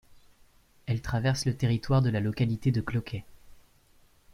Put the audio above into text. Elle traverse le territoire de la localité de Cloquet.